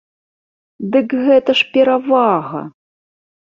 Дык гэта ж перавага!